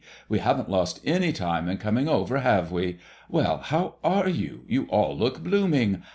We haven't lost any time in coming over, have we? Well, how are you? You all look blooming.